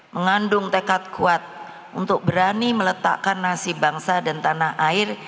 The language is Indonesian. mengandung tekad kuat untuk berani meletakkan nasib bangsa dan tanah air